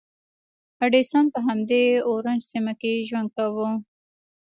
ایډېسن په همدې اورنج سیمه کې ژوند کاوه.